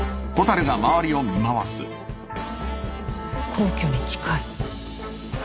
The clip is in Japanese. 皇居に近い。